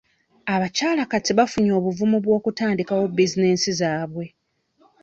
Abakyala kati bafunye obuvumu bw'okutandikawo bizinesi zaabwe.